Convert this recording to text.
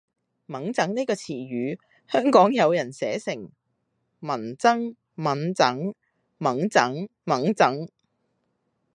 𤷪𤺧 呢個詞語，香港有人寫成：忟憎，憫憎 ，𤷪𤺧，𢛴 憎